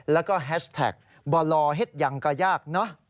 แล้วก็แฮชแท็กบอลลอเห็ดยังก็ยากเนอะ